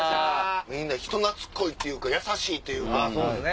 みんな人懐っこいというか優しいというか。